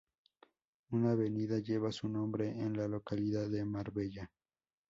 Una avenida lleva su nombre en la localidad de Marbella.